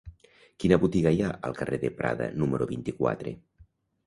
Quina botiga hi ha al carrer de Prada número vint-i-quatre?